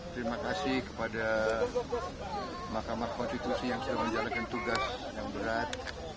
terima kasih kepada mahkamah konstitusi yang sudah menjalankan tugas yang berat